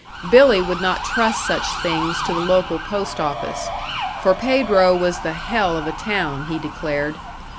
Billy would not trust such things to the local post office; for Pedro was the hell of a town, he declared.